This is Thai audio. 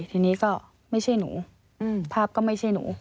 ทีนี้ก็ไม่ใช่หนูภาพก็ไม่ใช่หนู